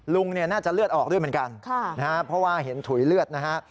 ลุงน่าจะเลือดออกด้วยเหมือนกันนะครับเพราะว่าเห็นถุยเลือดนะครับค่ะ